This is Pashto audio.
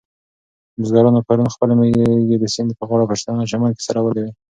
بزګرانو پرون خپلې مېږې د سیند په غاړه په شنه چمن کې څرولې وې.